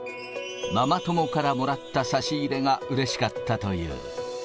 ママ友からもらった差し入れがうれしかったという。